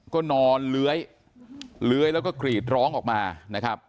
ก็นอนเลื้อยแล้วก็กรีดร้องออกมานะครับ